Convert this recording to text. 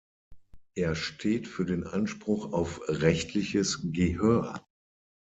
Er steht für den Anspruch auf rechtliches Gehör.